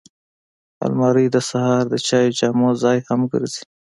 الماري د سهار د چای جامونو ځای هم ګرځي